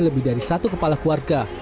lebih dari satu kepala keluarga